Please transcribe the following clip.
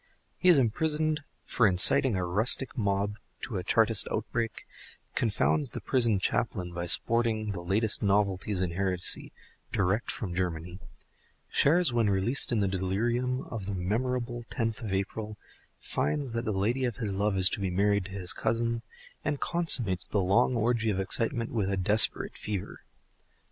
He is imprisoned for inciting a rustic mob to a Chartist outbreak, confounds the prison chaplain by sporting the latest novelties in heresy direct from Germany, shares when released in the delirium of the memorable tenth of April, finds that the lady of his love is to be married to his cousin, and consummates the long orgy of excitement with a desperate fever.